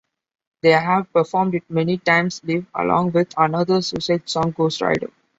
They have performed it many times live, along with another Suicide song, "Ghost Rider".